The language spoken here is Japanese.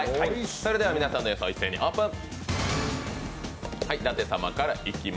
それでは皆さんの予想オープン。